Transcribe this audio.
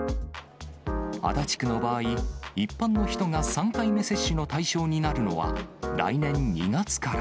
足立区の場合、一般の人が３回目接種の対象になるのは、来年２月から。